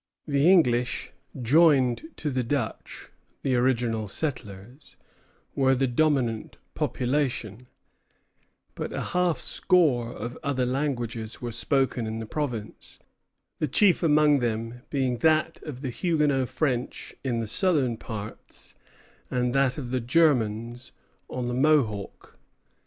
The English, joined to the Dutch, the original settlers, were the dominant population; but a half score of other languages were spoken in the province, the chief among them being that of the Huguenot French in the southern parts, and that of the Germans on the Mohawk.